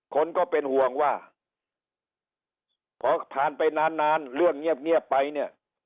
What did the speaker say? คนก็เป็นห่วงว่าพอผ่านไปนานนานเรื่องเงียบไปเนี่ย